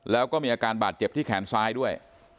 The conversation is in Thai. แล้วก็มีอาการบาดเจ็บที่แขนซ้ายด้วย